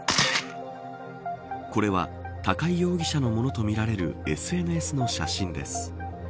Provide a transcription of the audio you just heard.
これは高井容疑者のものとみられるＳＮＳの写真です。